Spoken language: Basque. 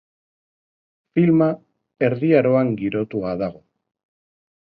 Filma Erdi Aroan girotua dago.